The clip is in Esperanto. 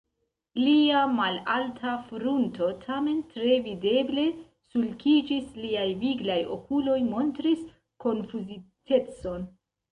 Lia malalta frunto tamen tre videble sulkiĝis, liaj viglaj okuloj montris konfuzitecon.